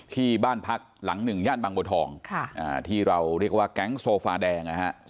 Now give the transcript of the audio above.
ที่บ้านพักหลังหนึ่งย่านบางบัวทองที่เราเรียกว่าแก๊งโซฟาแดงนะฮะ